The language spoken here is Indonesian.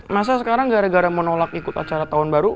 masa sekarang gara gara menolak ikut acara tahun baru